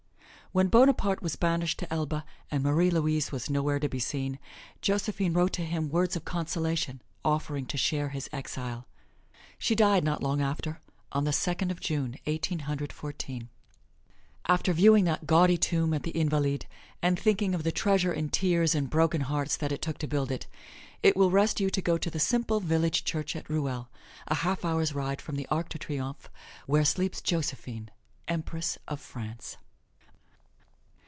When Bonaparte was banished to Elba, and Marie Louise was nowhere to be seen, Josephine wrote to him words of consolation, offering to share his exile. She died not long after on the Second of June, Eighteen Hundred Fourteen. After viewing that gaudy tomb at the Invalides, and thinking of the treasure in tears and broken hearts that it took to build it, it will rest you to go to the simple village church at Ruel, a half hour's ride from the Arc de Triomphe, where sleeps Josephine, Empress of France.